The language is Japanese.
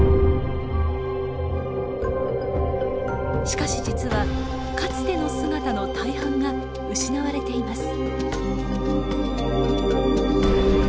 しかし実はかつての姿の大半が失われています。